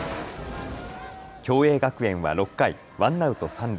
共栄学園は６回、ワンアウト三塁。